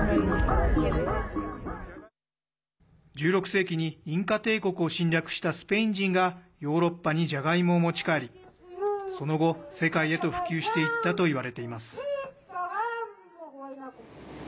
１６世紀にインカ帝国を侵略したスペイン人がヨーロッパにじゃがいもを持ち帰りその後、世界へと普及していったといわれています。